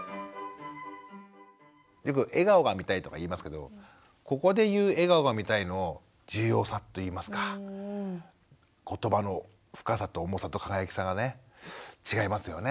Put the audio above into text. よく笑顔が見たいとかいいますけどここでいう笑顔が見たいの重要さといいますか言葉の深さと重さと輝きさがね違いますよね。